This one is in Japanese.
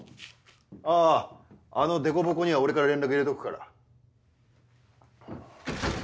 あぁあのデコボコには俺から連絡入れとくから。